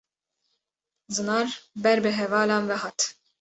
Zinar ber bi hevalan ve hat.